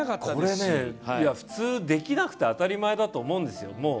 これ、普通できなくて当たり前だと思うんですよ。